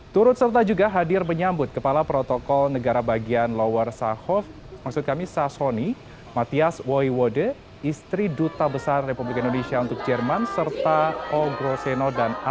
turut serta juga hadir menyambut kepala protokol negara bagian lower saarhof maksud kami sassoni matthias woiwode istri duta besar republik indonesia untuk jerman